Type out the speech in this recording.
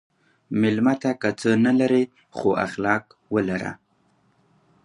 مېلمه ته که نه څه لرې، خو اخلاق ولره.